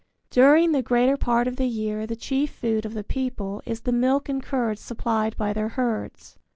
During the greater part of the year the chief food of the people is the milk and curds supplied by their herds.